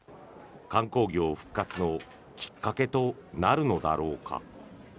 観光業復活のきっかけとなるのだろうか。